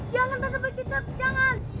jangan teteh begitu jangan